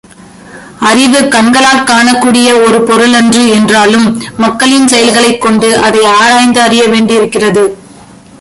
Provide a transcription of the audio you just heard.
அறிவு கண்களாற் காணக்கூடிய ஒரு பொருளன்று என்றாலும், மக்களின் செயல்களைக் கொண்டு அதை ஆராய்ந்து அறியவேண்டியிருக்கிறது.